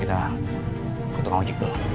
kita kembali ke tempat yang lebih baik